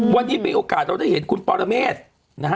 วันนี้มีโอกาสเราได้เห็นคุณปรเมฆนะฮะ